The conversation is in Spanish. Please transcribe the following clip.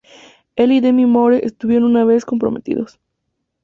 Él y Demi Moore estuvieron una vez comprometidos.